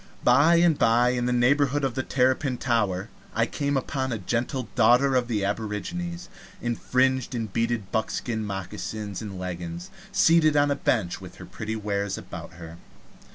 By and by, in the neighborhood of the Terrapin Tower, I came upon a gentle daughter of the aborigines in fringed and beaded buckskin moccasins and leggins, seated on a bench with her pretty wares about her.